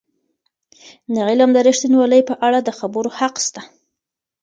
د علم د ریښتینوالی په اړه د خبرو حق سته.